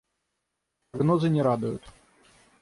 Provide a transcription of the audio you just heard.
Прогнозы не радуют.